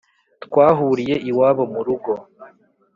twahuriye iwabo murugo